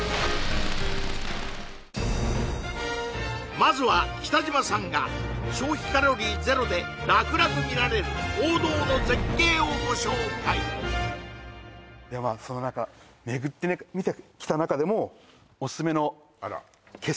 まずは北島さんが消費カロリー０で楽々見られる王道の絶景をご紹介ではその中巡ってみてきた中でもオススメの景色